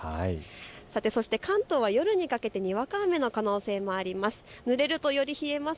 さて、関東は夜にかけてにわか雨の可能性もあります。